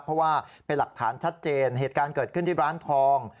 เพราะว่าเป็นหลักฐานชัดเจนเหตุการณ์เกิดขึ้นที่ร้านทอง